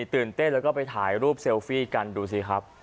ตื่นเต้นแล้วก็ไปถ่ายรูปเซลฟี่กันดูสิครับ